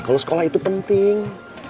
kalau sekolah itu penting